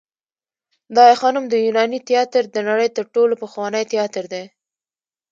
د آی خانم د یوناني تیاتر د نړۍ تر ټولو پخوانی تیاتر دی